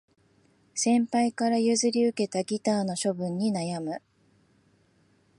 先輩から譲り受けたギターの処分に悩む